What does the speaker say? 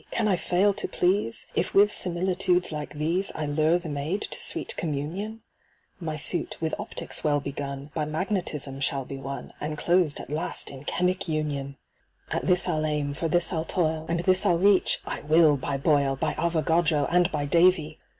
can I fail to please If with similitudes like these I lure the maid to sweet communion ? My suit, with Optics well begun, By Magnetism shall be won, And closed at last in Chemic union ! 310 SCIENTIFIC WOOING. At this I'll aim, for this I'll toil, And this I'll reach— I will, by Boyle, By Avogadro, and by Davy